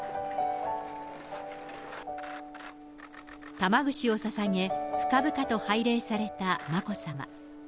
玉串をささげ、深々と拝礼された眞子さま。